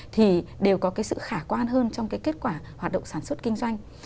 thì đều có cái sự khả quan hơn trong cái kết quả hoạt động sản xuất kinh doanh